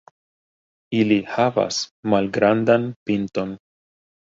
Ili havas malgrandan pinton.